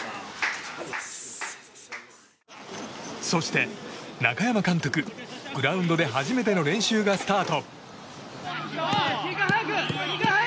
そして中山監督、グラウンドで初めての練習がスタート。